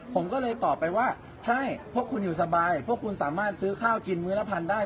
ผมก็เลยตอบไปว่าใช่พวกคุณอยู่สบายพวกคุณสามารถซื้อข้าวกินมื้อละพันได้